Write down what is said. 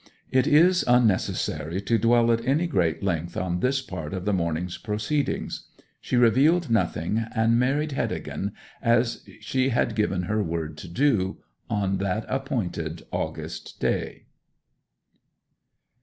It is unnecessary to dwell at any great length on this part of the morning's proceedings. She revealed nothing; and married Heddegan, as she had given her word to do, on that appointed August day.